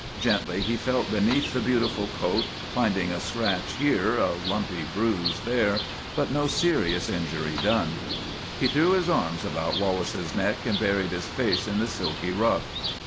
Gently he felt beneath the beautiful coat, finding a scratch here, a lumpy bruise there, but no serious injury done. He threw his arms about Wallace's neck and buried his face in the silky ruff.